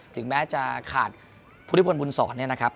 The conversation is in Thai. ถึงแม้จะขาดผู้ที่ปนบุญสอนเนี่ยนะครับ